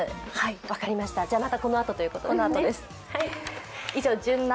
分かりました、またこのあとということで。